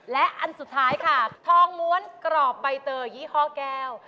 และอันสุดท้ายค่ะทองม้วนกรอบใบเตยยี่ห้อแก้ว